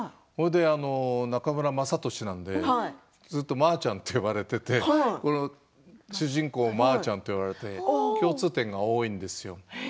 中村雅俊なのでずっとまーちゃんと呼ばれていてこの主人公もまーちゃんと呼ばれて共通点が多いんですよ。